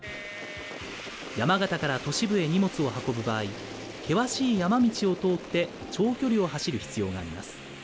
山形から都市部へ荷物を運ぶ場合、険しい山道を通って、長距離を走る必要があります。